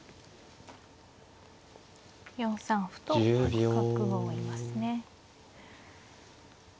４三歩と角を追いますね。